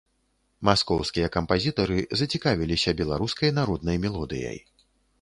Маскоўскія кампазітары зацікавіліся беларускай народнай мелодыяй.